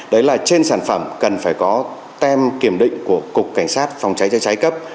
đấy là trên sản phẩm cần phải có tem kiểm định của cục cảnh sát phòng cháy chữa cháy cấp